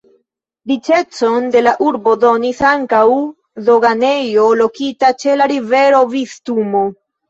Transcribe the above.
Riĉecon de la urbo donis ankaŭ doganejo lokita ĉe la rivero Vistulo.